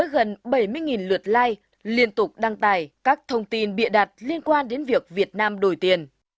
hình luật like liên tục đăng tải các thông tin bị đặt liên quan đến việc việt nam đổi tiền